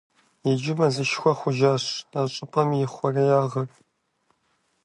Иджы мэзышхуэ хъужащ а щӏыпӏэм и хъуреягъыр.